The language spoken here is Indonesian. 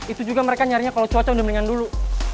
itu juga mereka nyarinya kalau cuaca udah mendingan dulu